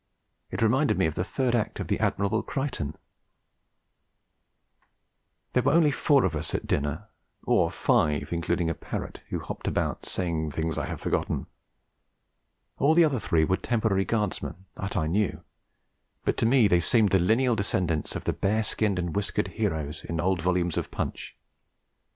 It reminded me of the third act of The Admirable Crichton. There were only four of us at dinner, or five including a parrot who hopped about saying things I have forgotten. All the other three were temporary Guardsmen; that I knew; but to me they seemed the lineal descendants of the bear skinned and whiskered heroes in old volumes of Punch.